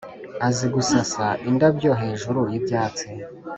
azi gusasa indabyo hejuru yibyatsi